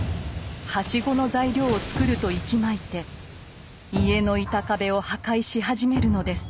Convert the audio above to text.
はしごの材料を作るといきまいて家の板壁を破壊し始めるのです。